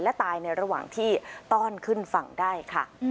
และตายในระหว่างที่ต้อนขึ้นฝั่งได้ค่ะ